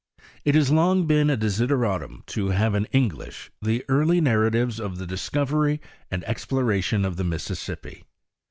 It has long been a desideratum to have in English the early narratives, of the discovery and exploration of the Mis* sissippi.